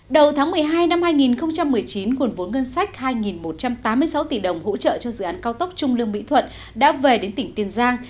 đầu tháng một mươi hai năm hai nghìn một mươi chín nguồn vốn ngân sách hai một trăm tám mươi sáu tỷ đồng hỗ trợ cho dự án cao tốc trung lương mỹ thuận đã về đến tỉnh tiền giang